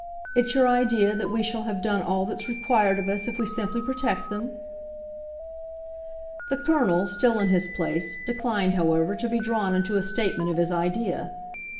It's your idea that we shall have done all that's required of us if we simply protect them?" The Colonel, still in his place, declined, however, to be drawn into a statement of his idea.